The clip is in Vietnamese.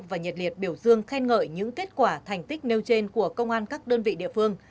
và nhiệt liệt biểu dương khen ngợi những kết quả thành tích nêu trên của công an các đơn vị địa phương